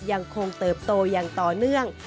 ยังคงเติบโตอย่างต่อเนื่อง